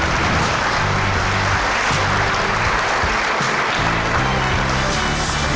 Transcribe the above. เกมต่อชีวิต